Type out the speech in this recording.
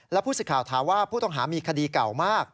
และผู้สิทธิ์ข่าวถามว่าผู้ต้องหามีคดีเก่ามาก